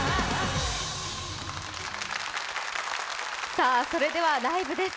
さあ、それではライブです。